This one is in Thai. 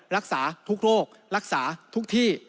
รักษาทุกโรครักษาทุกที่